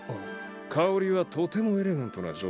香織はとてもエレガントな女性だ。